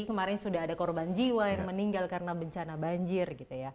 kemarin sudah ada korban jiwa yang meninggal karena bencana banjir gitu ya